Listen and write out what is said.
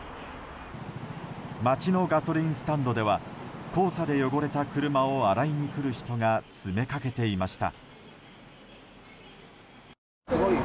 街のガソリンスタンドでは黄砂で汚れた車を洗いに来る人が詰めかけていました。